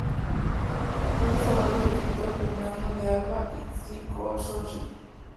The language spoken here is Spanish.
Fue bisabuelo del escritor Fernando de Alva Ixtlilxóchitl.